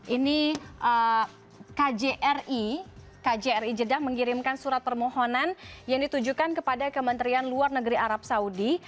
ini kjri jeddah mengirimkan surat permohonan yang ditujukan kepada kementerian luar negeri arab saudi